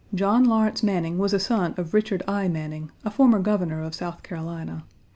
John Lawrence Manning was a son of Richard I. Manning, a former Governor of South Carolina.